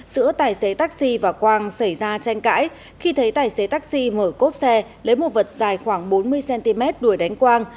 giữa tài xế taxi và quang xảy ra tranh cãi khi thấy tài xế taxi mở cốp xe lấy một vật dài khoảng bốn mươi cm đuổi đánh quang